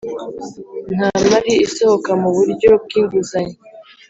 Nta mari isohoka mu buryo bw’inguzanyo